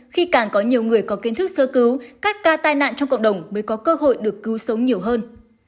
khi càng có nhiều người có kiến thức sơ cứu các ca tai nạn trong cộng đồng mới có cơ hội được cứu sống nhiều hơn